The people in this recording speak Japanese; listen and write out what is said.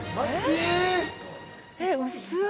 えっ薄っ！